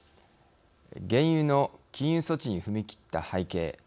原油の禁輸措置に踏み切った背景